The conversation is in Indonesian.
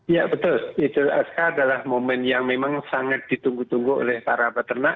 ya betul aska adalah momen yang memang sangat ditunggu tunggu oleh para peternak